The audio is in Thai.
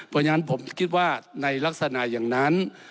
เพราะฉะนั้นผมคิดว่าในลักษณะอย่างนั้น